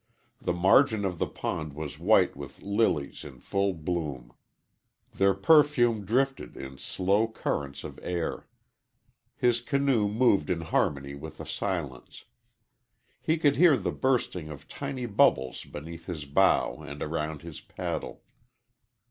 The margin of the pond was white with lilies in full bloom. Their perfume drifted in slow currents of air. His canoe moved in harmony with the silence. He could hear the bursting of tiny bubbles beneath his bow and around his paddle.